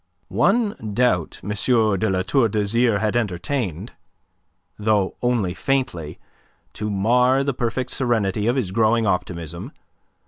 One doubt M. de La Tour d'Azyr had entertained, though only faintly, to mar the perfect serenity of his growing optimism.